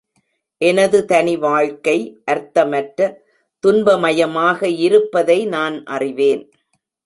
எனது தனி வாழ்க்கை அர்த்தமற்ற துன்ப மயமாக இருப்பதை நான் அறிவேன்.